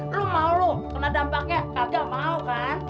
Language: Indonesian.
lo mau lo kena dampaknya kagak mau kan